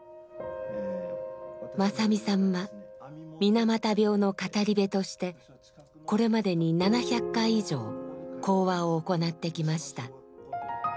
正実さんは水俣病の語り部としてこれまでに７００回以上講話を行ってきました。